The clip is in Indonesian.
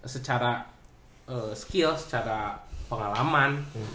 secara skill secara pengalaman